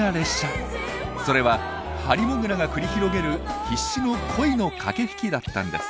それはハリモグラが繰り広げる必死の恋の駆け引きだったんです。